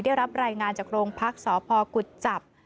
ได้รับรายงานจากโรงพักษพกุจจับ